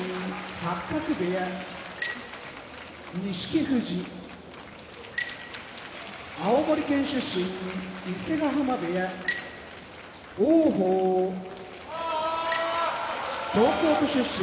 八角部屋錦富士青森県出身伊勢ヶ濱部屋王鵬東京都出身大嶽部屋